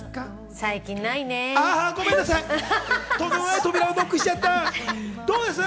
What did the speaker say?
最近ないね。